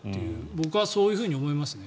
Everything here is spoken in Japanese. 僕はそういうふうに思いますね。